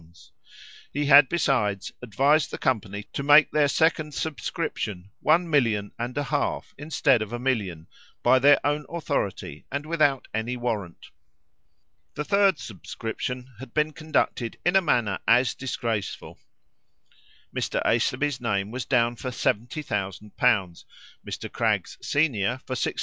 He had, besides, advised the company to make their second subscription one million and a half, instead of a million, by their own authority, and without any warrant. The third subscription had been conducted in a manner as disgraceful. Mr. Aislabie's name was down for 70,000l.; Mr. Craggs, senior, for 659,000l.